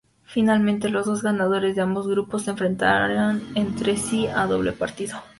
Finalmente, los dos ganadores de ambos grupos se enfrentarán entre sí a doble partido.